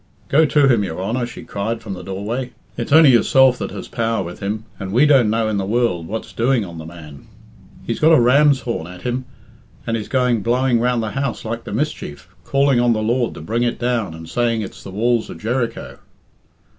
"Go to him, your Honour," she cried from the doorway. "It's only yourself that has power with him, and we don't know in the world what's doing on the man. He's got a ram's horn at him, and is going blowing round the house like the mischief, calling on the Lord to bring it down, and saying it's the walls of Jericho."